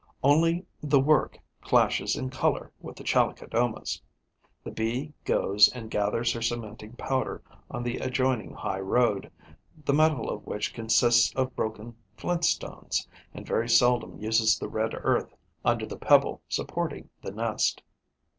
Only, the work clashes in colour with the Chalicodoma's. The Bee goes and gathers her cementing powder on the adjoining high road, the metal of which consists of broken flint stones, and very seldom uses the red earth under the pebble supporting the nest.